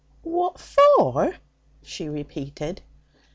'What for?' she repeated.